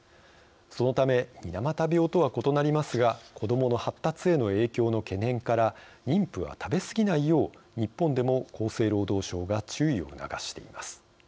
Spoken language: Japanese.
そのため水俣病とは異なりますが子どもの発達への影響の懸念から妊婦は食べ過ぎないよう日本でも厚生労働省が注意を促しています。